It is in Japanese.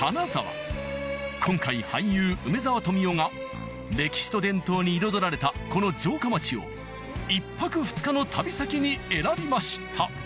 今回俳優・梅沢富美男が歴史と伝統に彩られたこの城下町を１泊２日の旅先に選びました